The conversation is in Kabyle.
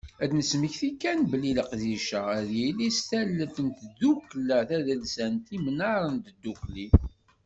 Ad d-nesmekti kan belli leqdic-a ad yili s tallelt n tddukkla tadelsant Imnar n Tdukli.